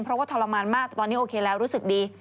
เพราะว่าทรมานมากตอนนี้โอเคแล้วรู้สึกดี